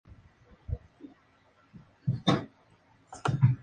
Las paredes del presbiterio las decoraban once pinturas de diversos temas.